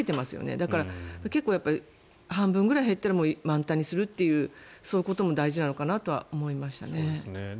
だから、半分ぐらい減ったら満タンにするというそういうことも大事なのかなとは思いましたね。